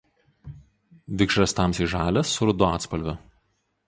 Vikšras tamsiai žalias su rudu atspalviu.